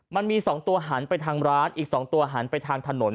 มันมี๒ตัวหันไปทางร้านอีก๒ตัวหันไปทางถนน